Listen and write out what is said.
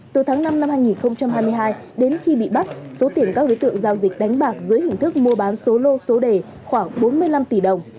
từ tháng năm năm hai nghìn hai mươi hai đến khi bị bắt số tiền các đối tượng giao dịch đánh bạc dưới hình thức mua bán số lô số đề khoảng bốn mươi năm tỷ đồng